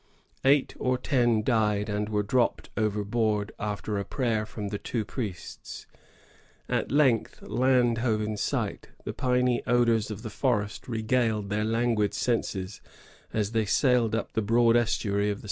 Eight or ten died and were dropped overboard, after a prayer from the two priests. At length land hove in sight; the piny odors of the forest regaled their languid senses as they sailed up the broad estuaiy of the St. Lawrence and anchored under the rock of Quebec.